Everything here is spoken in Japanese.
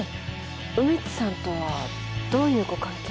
梅津さんとはどういうご関係？